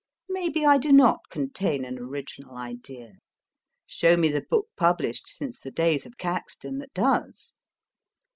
Maybe I do not contain an original idea. Show me the book published since the days of Caxton that does